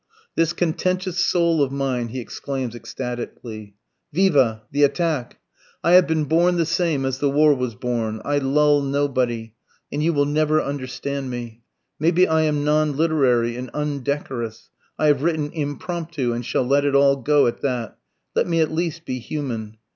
This contentious soul of mine, he exclaims ecstatically; Viva: the attack! I have been born the same as the war was born; I lull nobody, and you will never understand me: maybe I am non literary and un decorous.... I have written impromptu, and shall let it all go at that. Let me at least be human!